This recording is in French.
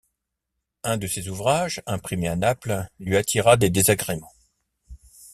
Un de ces ouvrages, imprimé à Naples, lui attira des désagréments.